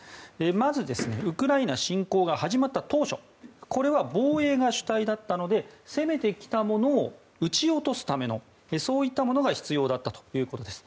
まず、ウクライナ侵攻が始まった当初これは防衛が主体だったので攻めてきたものを撃ち落とすためのものが必要だったということです。